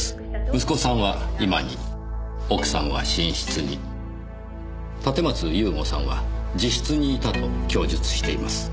息子さんは居間に奥さんは寝室に立松雄吾さんは自室にいたと供述しています。